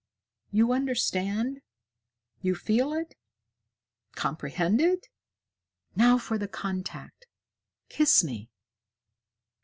You understand? You feel it? Comprehend it? Now for the contact kiss me!"